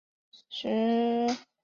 踪迹十分隐蔽。